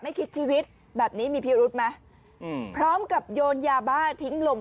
ไม่คิดชีวิตแบบนี้มีพี่รุทมาพร้อมกับโยนยาบ้าทิ้งลง